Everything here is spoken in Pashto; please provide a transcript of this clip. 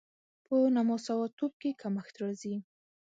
په نامساواتوب کې کمښت راځي.